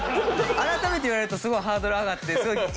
改めて言われるとすごいハードル上がってすごい今。